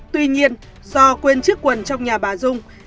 tuy nhiên do quên chiếc quần trong nhà bà dung